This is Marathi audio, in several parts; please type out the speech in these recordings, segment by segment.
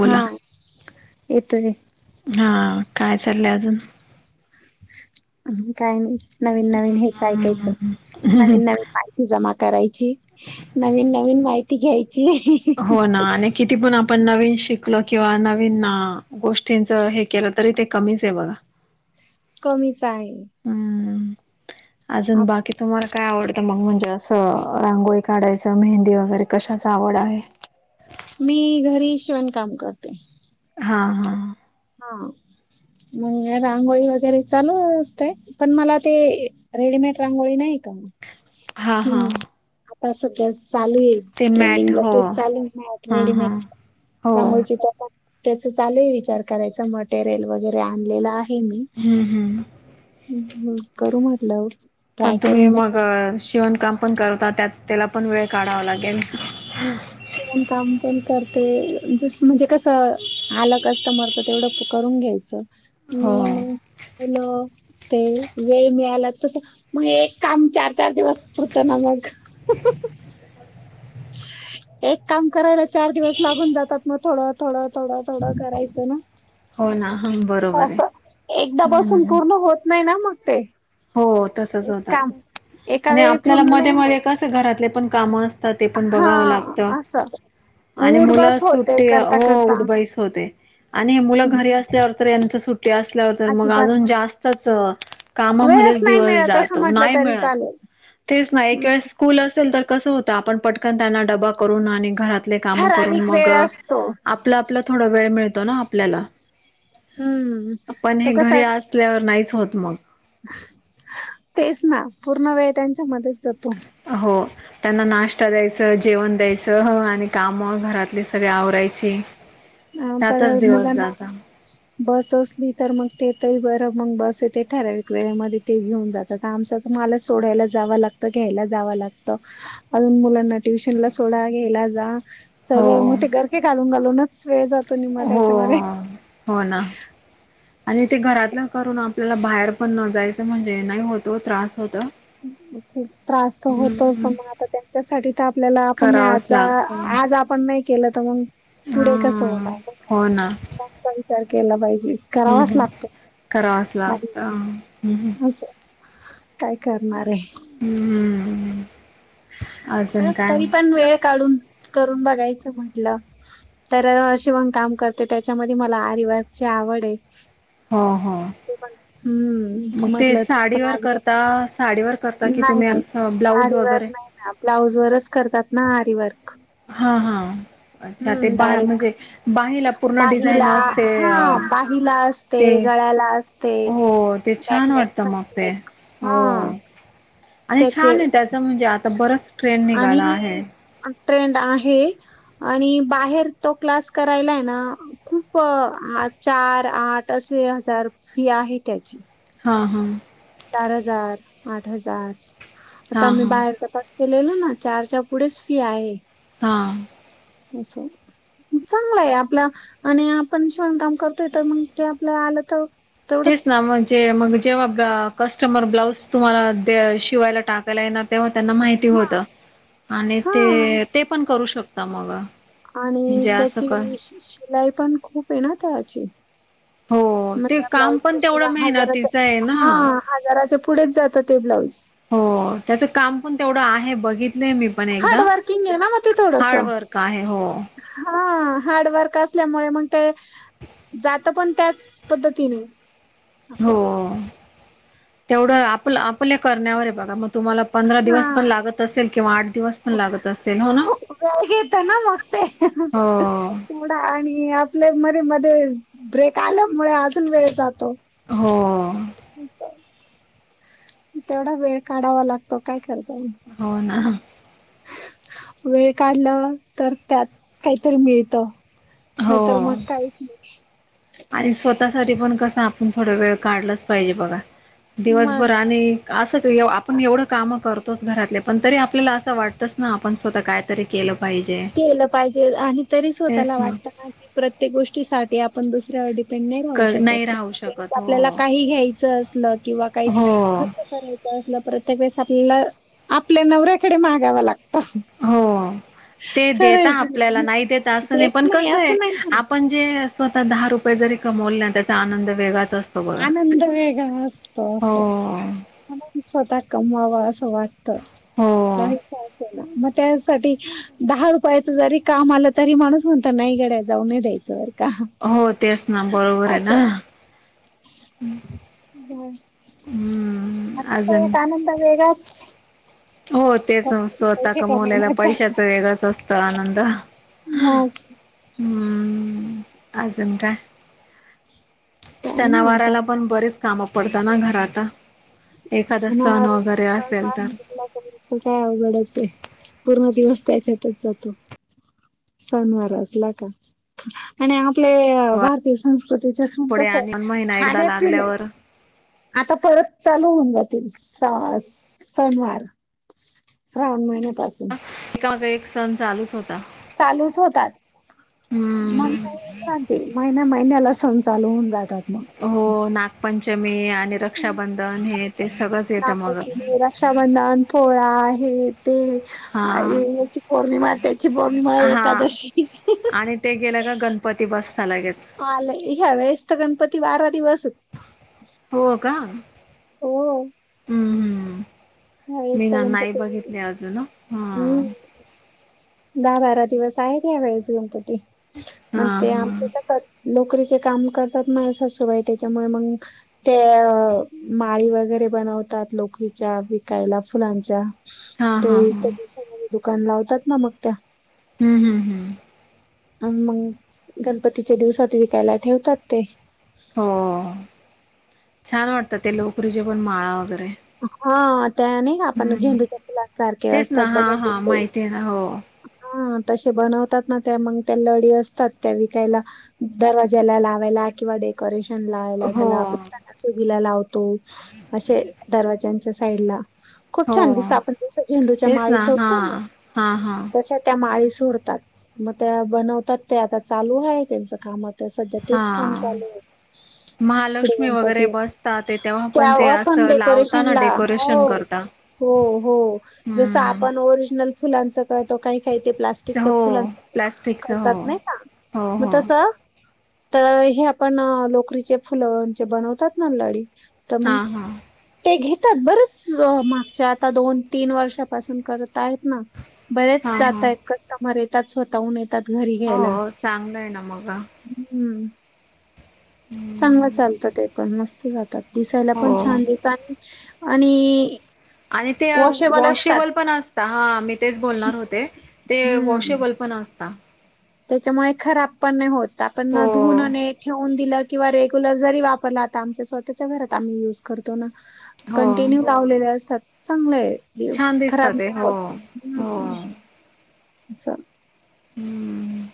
हा, येतोय. हा, काय चाललंय अजून? अजून काय नाही, नवीन नवीन हेच ऐकायचं, हम्म. नवीन नवीन माहिती जमा कराय ची नवीन नवीन माहिती घ्याय हो ना, आणि किती पण आप पण नवीन शिकलो किंवा नवीन आ गोष्टींच हे केलं तरी ते कमीच आहे बघा. [inaudible] कमीच आहे. हम्म, अजून आप- बाकी तुम्हाला काय आवडतं मग म्हणजे असं रांगोळी काढायचं, मेहंदी वगैरे कशाचं आवड आहे? मी घरी शिवण काम करते. हा हा हा, मग रांगोळी वगैरे चालू असतेय, पण मला ते रेडीमेड रांगोळी नाही का, हा हा हम्म आता सध्या चालूए ते मॅट ट्रेंडिंगला हो तेच चालू हा हा रेडीमेड हो रांगोळीची त्याचा त्याचं चालूए विचार करायचा मटेरियल वगैरे आणलेलं आ हे मी, हम्म हम्म करू म्हटलं पण ट्राय तुम्ही करून मग बघू. अ शिवणकाम पण करता त्यात त्याला पण वेळ काढावा लागे शिवण काम पण कर ते जसं म्हणजे कसं आलं कस्टमर तर तेवढं करून घ्यायचं. हो मी मंग, हॅलो. ते वेळ मिळाला तसा, मग एक काम चार चार दिवस पुरतं ना मग? [inaudible] एक काम करायला चार दिवस लागून जातात मग थोडं थोडं थोडं थोडं करायचं ना हो ना हा [inaudible] बरोबर अस आहे एकदा पासून हम्म पूर्ण होत नाही ना मग ते हो तसच एक होत काम एका आणि वेळी आपल्याला पूर्ण मध्ये नाही म होत. कस घरातले पण काम असत. ते पण हा बघावं लागत असं आणि उठ मुलं बस होते सुट्टी करता हो करता उठबाईस होते, आणि हे मुलं हम्म, घरी असल्यावर तर यांच सुट्टी असल्यावर तर मग अजिबात अजून जास्तच कामामध्ये वेळच अस नाही मिळत असं म्हटलं तरी क चालेल आप त्यांना डबा करून आणि घरातले काम करून ठराविक मग वेळ असतो आपलं आपला थोड वेळ मिळ ना आपल्याला हम्म आपण तो हे घरी कसा असल्यावर नाहीच होत मग तेच ना पूर्ण वेळ त्यांच्या मध्येच जातो. हो त्यांना नाश्ता द्यायचं जेवण द्यायचं आणि काम घरातले सगळे आवरायचे अ पर मुलांना [inaudible] बस असली तर मग तेथही बरं मग बसथे ठराववेवेेळे्यामध्ये ते घेऊन जातात आमच.. मला सोडायला जावं लागतं घ्यायला जावं लागत अजून मुलांना ट्युशन ला सोडा घ्यायला जा, सर्व हो मग ते घरके घालून घालूनच वेळ जात. तो म हो त्याच्यामध्ये [inaudible] हो ना आणि ते घरातलं करून आपल्याला बाहेर पण न जायचं म्हणजे नाही होतो त्रास होत. मग [inaudible] खूप त्रास तर होतोच हम्म पण म आता त्यांच्यासाठी तर आपल्याला आपण नाही करावंच लागत आ आज आपण नाही. केलं तर मग हा पुढे कस होणार का हो ना त्यांचा विचार केला पाहिजे.. हम्म करावाच हम्म लागतो करावंच आ, लागत हम्म असं काय करणार आहे. हम्म हम्, तर तरी पण वेळ काढून करून बघायच म्हटलं तर शिवण काम करते त्याच्यामध्ये मला आरिव आवड आहे, हा, तेू पण हम्म ते म्हटलं पण साडीवर आज. करता साडीवर करता की तुम्ही नाही असं ब्लाऊज साडी वर्क वगैरे नाही ना ब्लाऊज वरच करतात ना आडी वर्क हा हा, अच्छा ते बा डायरेक्ट म्हणजे बाहीला पूर्ण बाहीला डिझाईन असते हा बाहीला असते ते, गळ्याला असते हो ते छान बॅकनेक वाटत मग ते, फ्रंटनेक हो हा, आणि त्याचे छान आहे त्याचं म्हणजे आता बरच ट्रेन निघाला आहे. आणि ट्रेंड आहे आणि बाहेर तो क्लास करायला आहे ना खूप. ह चार आठ असे हजार फी आहे त्याची, हा हा, चार हजार आठ हजार असं हा आम्ही हा बाहेरच्या, तेलेल ना चारच्या पुढेच फी आहे, हा, [unintelligible] चांगला आहे आपला आणि आपण शिणकाम करतोय तर मग ते आपलं आलं तर तेच ना तेवढंच म्हणजे मग जेव्हा कस्टमर ब्लाऊज तुम्हाला शिवायला टाकायला आहे ना, तेव्हा त्यांना माहिती होत आणि हा ते ते पण करू शकता मग, आणि म्हणजे असं कर त्याची शिलाई पण खूप आहे ना त्याची हो, मग ते त्या काम पण ब्लाऊजची सुध तेवढं हजाराच्या मेहनतीचं आहे हा ना हजाराच्या पुढेच जातं ते ब्लाऊज हो त्याचं काम पण तेवढं आहे. बघितलंय मी पण हार्ड एकदा वर्किंग आहे ना म थोडस हार्डवर्क आहे हो हा. हार्डवर्क असल्यामुळे मग ते, जात पण त्याच पद्धतीने. हो. असं तेवढं आपल, आपल्या करण्यावरय बघा मग. तुम्हाला पंधरा दिवस पण हा लागत असेल, किंवा आठ दिवस पण लागत असेल हो ना. घेत ना मग ते [unintelligible] हो थोडा आणि आपले मध्ये - मध्ये ब्रेक आल्यामुळे, अजून वेळ जातो. तो. हो [unintelligible] तेवढा वेळ काढावा लागतो. काय कर हो ना. [unintelligible] वेळ काढलं, तर त्यात काहीतरी मिळत. नाई हो तर मग काहीच नाही. आणि स्वतःसाठी पण कस, आपण थोड वेळ काढलंच पाहिजे बघा. मग दिवसभर आणि असं त एव आपण एवढं काम करतोच घरातले, पण तरी आपल्याला असं वाटतंच ना, आपण स्वतः काय तर केलं पाहिजे. केलं पाहिजे. आणि तरी स्वतःला वाटतं ना की, प्रत्येक गोष्टीसाठी आपण दुस नाही क राहू शकत. नाही राहू एखादे वेळेस शकत आपल्याला हो काही घ्यायचं असलं, किंवा काही हो खर्च करायच [unintelligible] प्रत्येक वेळेस आपल्याला, आपल्या नवऱ्याकडे मागाव लागत. हो. ते देता आहे की आपल्याला, नाही देता असं नाही, देत पण कसय, असं नाही म्हणत आपण जे स्वतः दहा रुपये जरी कमवले ना, त्याचा आनंद वेगळाच असतो. बघा आनंद वेगळा असतो, हो असं. मला स्वतः कमवावा, असं वाटत. हो काही का अस मग त्यासाठी दहा रुपयाच जरी काम आलं, तरी माणूस म्हणत, नाही गड्या जाऊ नाही द्यायचं. अरे हो तेच ना, बरोबरय ना. [unintelligible] [unintelligible] आ हम्म तो अजून एक आनंद वेगळाच! हो तेच मग स्वतः पैसे कमवलेल्या कमवण्याचा पैशाचा वेगळाच असतो आनंद. [unintelligible] [unintelligible] अजून काय? काय नाही आता सनावाराला पण बरेच काम पडता ना घराता. सण सनवारा, सनवार तर [unintelligible] काय अवघडचय. पूर्ण दिवस त्याच्यातच जातो. सनवार असला का. आणि आपले भारतीय संस्क त्याच्या [unintelligible] सून पुढे कस आहे आणि महिना एकदा खाणे- पिणे लागल्यावर आता परत चालू होऊन जातील, सा सनवार. श्रावण महिन्यापासून. आत एक सण चालूच होत. चालूच होतात. मग हम्म. नाही विश्रांती. महिन्या -महिन्याला सण चालू होऊन जातात मग. पंचमी आणि रक्षाबंधन हे, ते सगळंच येत मग. आहे. ते हा याची पौर्णिमा, त्याची पौर्णिमा, हा एकादशी. आणि ते [unintelligible] गेलं गणपती बसता लगेच. आलय. ह्या वेळेस तर गणपती बारा दिवसयत. हो का? हो. हम्म हम्म. मी ह्यावेेळेस तर ना, नाही गणपती बघितले अजून. हा. हम्म दहा बारा दिवस आहेत या वेळेस गणपती मग. हां ते हां. आमच्या कस, लोक रिचे काम करतात मा सासूबाई. त्याच्यामुळे मग ते माळी वगैरे बनव तात लोकरीच्या. विकायला, फुलांच्या. हां ते हां इ हां. त्या दिवसामध्ये दुकान लावतात ना मग त्या हम्म हम्म हम्म अ मग गणपतीच्या दिवसात विकायला ठेवतात ते हो छान वाटतं ते लोकरीचे पण माळा वगैरे हा त्याने आपण हम्म. झेंडूच्या फुला सारखे तेच ना असतात हां बघा हां गुंडे माहिती आहे ना हो. हा त बनवतात मग त्या लडी असतात त्या विकायला दरवाजला लावायला किंवा डेकोरेशन लायला हो. त्याला आपण सजीला लावतो असे त्यांच्या साईड ला खूप छान दिसत हो. आपण जस झेंडूच्या तेच माळी ना हा सोडतो ना हा हा तस त्या माळी सोडतात मग त्या बनवतात ते आता चालू आहे त्यांच काम तर सध्या हा तेच काम चालू आहे क महालक्ष्मी वगैरे गणपती बसता ते ते तेव्हा असं पण े लावता ना डेकोरेशन करता जस हम्म आपण ओरिजनल फुलां तो काही काही ते प्लास्टिकच्या हो फुलांच प्लॅस्टिकच हो करतात नाही ना हो मग हो तस तर हे आपण लोकरीचे फुलंचे बनवतात ना लडी तर हा मग हा ते घेतात बरच मागच्या आता दोन तीन वर्षापासून करत आहेत ना हा बरेच हा जात आहेत कस्टमर येेतच स्तहून येत घरी घ्यायला हो चांगलं आहे ना मग हम्म चांगलं हम्म, चालतं ते पण मस्त जातात दिसायला हो पण छान दिस आणि आणि आणि ते वॉशेबल पण असत हं तेच बोलणार होते ते हम्म वॉशेबल पण असता त्याच्यामुळे खराब पण नाही होत आपण हो धुून ठेवून दिलं किंवा रेग्युलर जरी वापर तर आमच्या स्वतःच्या घरात आम्ही युज करतो ना हो कंटिन्यू लावलेले असतात चांगले आहे छान खराब दिसतात ते नाही हो होत हो हम्म हम्म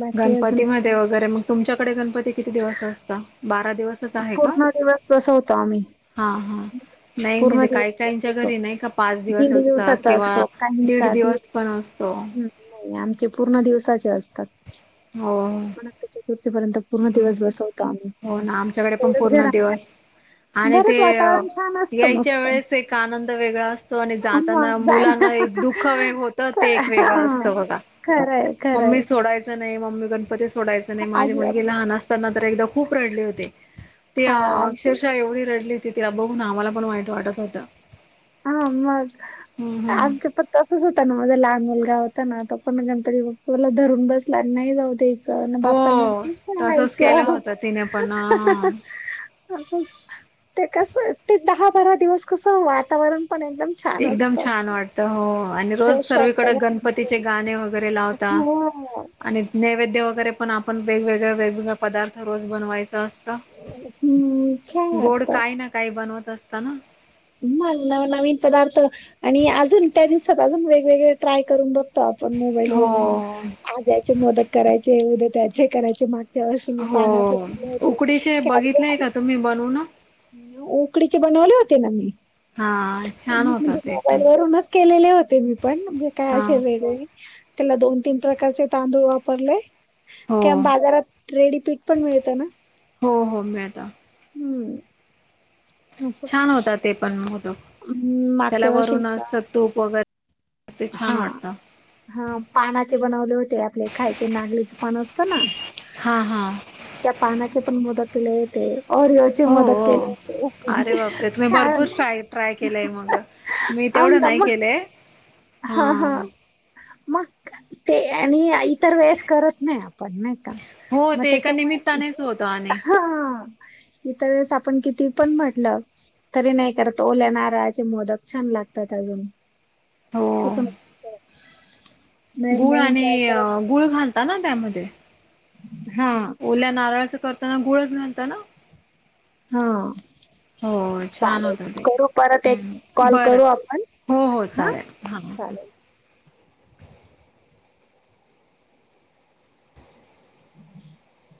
बाकी अजून गणपती मधे वगैरे मग तुमच्याकडे गणपती किती दिवस असता बारा दिवसच आहे का? पूर्ण दिवस बसवतो आम्ही हा हा नाही पूर्ण म्हणजे काही दिवस काहींच्या बसवतो घरी नाही का पाच दिवस दीड असतं दिवसाचा किंवा असतो काही दीड साधी दिवस पण असतो हम्म नाही आमचे पूर्ण दिवसाचे असतात हो [inaudible] चतुर्थी पर्यंत पूर्ण हम्म. दिवस बसवतो आम्ही हो ना आमच्याकडे पण तेच पूर्ण दिवस आणि ते असतं यायच्या मस्त वेळेस एक आनंद वेगळा असतो आणि जाताना जायला मुलांना एक दुःख वेग होतं ते एक वेगळं असतं बघा खरंय मम्मी खरंय सोडायचं नाही मम्मी गणपती सोडायचं नाही माझ्या मु अजिबात लहान असताना तर एकदा खूप रडले होते ते हा आमचे अक्षरशः एवढी रडली ते तिला बघून आम्हाला पण वाईट वाटत होतं हा मग हम्म हम्म आमच्या पत्त तच होता [unintelligible] मुलगा होता ना त पण गणपती बाप्पा ला धरून बसला नाही जाऊ देत बा्पांना हो तसच केलं सांगयचं होत तिने पण हा. असं [inaudible] ते कस ते दहा बारा दिवस कसं वातावरण पण एकदम छान एकदम असतं छान वाटत हो आणि रोज फ्रेश सर्ळीकडे वाटतं का गणपतीचे गाणे वगैरे लावतात हो आणि नैवेद्य वगैरे पण आपण वेगवेगळ वेगवेगळ्या पदार्थ रोज बनवायचा हम्म छान गोड काही ना काही बनवत असत ना म न नवीन पदार्थ आणि अजून त्या दिवसात अजून वेगवेगळे ट्राय करून बघ [unintelligible] आपण मोबाईल हो वरून आज यायचे मोदक करायचे उद्या त्याचे करायचे मा ज्या वर्षी मी हो पानाचे फुले होते उकडीचे बघितलेय कॅरबेजचे का तुम्ही [unintelligible] बनवून? उकडीचे बनवले होते ना मी हा छान होता म्हणजे ते मोबाईल पण वरूनच होते मी पण मी काय हा असे वेग वेगवेगळे त्याला दोन तीन प्रकारचे तांदूळ वापरले हो का बाजारात रेडीपीट पण मिळतं ना हो हो मिळत हम्म असं छान होता ते पण मोदक त्याला माथेवर वरून शिमता [inaudible] असं तूप वगैरे ते हा छान वाटतं हा पानाचे बनवले होते आपले खायचे नागलेच पान असत ना हा हा त्या पानाचे पण मोदक केले होते ओरिओ चे हो मोदक हो केले होते अरे बापरे तुम्ही शा भरपूर ट्राय ट्राय केलंय मग मी तेवढं नाही केले! हा हा मग ते आणि आ तर वेस करत नाही आपण नाही का हो मग ते एका त्याच्यामुळे निमित्तानेच होतं आणि हं [unintelligible] इतर वेळेस आपण किती पण म्हटलं तरी नाही करत ओल्या नारळाचे मोदक छान लागतात अजून हो ते पण नवीन गुळ नवीन आणि ट्राय करत गुळ घालता ना त्यामध्ये राहा. हा ओल्या नारळाच करताना गुळच घालताना? हा हो छान चालेल होत ते करू परत एक हम् कॉल बरं करू आपण हो हो हा चालेल हा चालेल हम्म